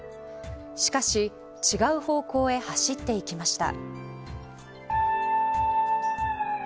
しかし、違う方向へ走っていきました。